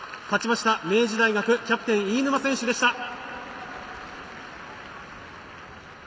勝ちました明治大学キャプテン飯沼選手でした。